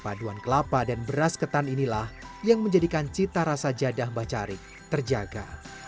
paduan kelapa dan beras ketan inilah yang menjadikan cita rasa jadah mbah carik terjaga